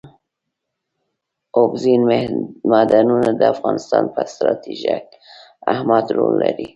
اوبزین معدنونه د افغانستان په ستراتیژیک اهمیت کې رول لري.